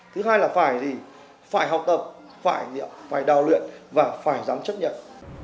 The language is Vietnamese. thứ hai là phải học tập phải đào luyện và phải dám chấp nhận